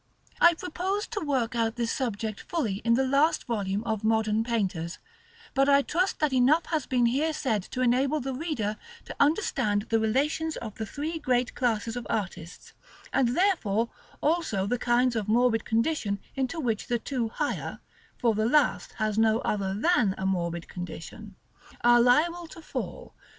I propose to work out this subject fully in the last volume of "Modern Painters;" but I trust that enough has been here said to enable the reader to understand the relations of the three great classes of artists, and therefore also the kinds of morbid condition into which the two higher (for the last has no other than a morbid condition) are liable to fall.